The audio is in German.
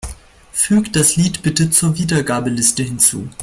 Füg das Lied bitte zur Wiedergabeliste hinzu.